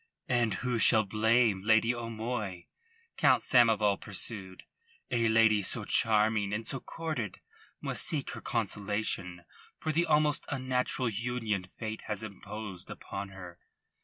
"And who shall blame Lady O'Moy?" Count Samoval pursued. "A lady so charming and so courted must seek her consolation for the almost unnatural union Fate has imposed upon her.